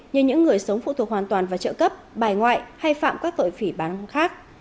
như những người sống phụ thuộc hoàn toàn vào trợ cấp bài ngoại hay phạm các tội phỉ bán khác